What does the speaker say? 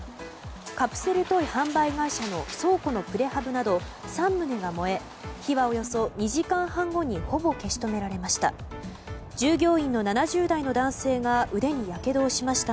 カプセルトイ販売会社の倉庫のプレハブなど３棟が燃え火はおよそ２時間半後にほぼ消し止められました。